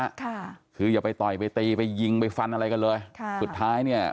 ค่ะคืออย่าไปต่อยไปตีไปยิงไปฟันอะไรกันเลยค่ะสุดท้ายเนี้ย